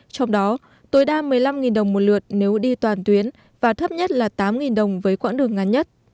trong đó tối đa một mươi năm đồng một lượt nếu đi toàn tuyến và thấp nhất là tám đồng với quãng đường ngắn nhất